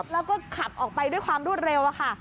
แล้วก็ขับออกไปด้วยความรวดเร็วค่ะ